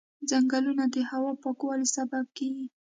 ځنګلونه د هوا پاکوالي سبب کېږي.